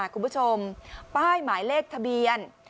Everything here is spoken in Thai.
คุณผู้ชมป้ายหมายเลขทะเบียน